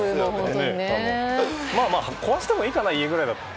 壊してもいいかな家ぐらいだったら。